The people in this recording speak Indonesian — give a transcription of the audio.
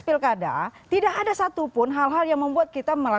mereka itu punya tim yang luar biasa